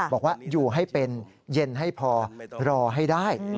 บอกว่าอยู่ให้เป็นเย็นให้พอรอให้ได้